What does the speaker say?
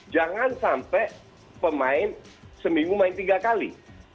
jangan sampai pemain seminggu main tiga kali